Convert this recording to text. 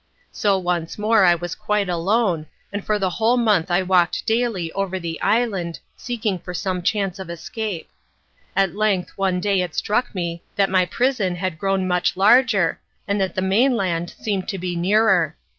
So once more I was quite alone, and for a whole month I walked daily over the island, seeking for some chance of escape. At length one day it struck me that my prison had grown much larger, and that the mainland seemed to be nearer.